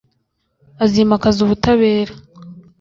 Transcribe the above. Azimakaza ubutabera